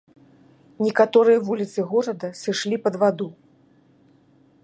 Некаторыя вуліцы горада сышлі пад ваду.